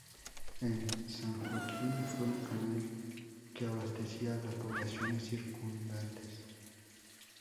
En San Joaquín, fue un canal que abastecía a las poblaciones circundantes.